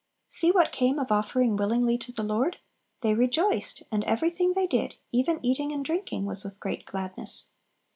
See what came of offering willingly to the Lord they "rejoiced," and everything they did, even eating and drinking, was "with great gladness."